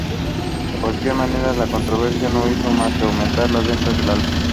De cualquier manera, la controversia no hizo más que aumentar las ventas del álbum.